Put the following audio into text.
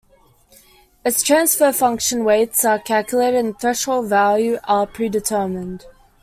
Its transfer function weights are calculated and threshold value are predetermined.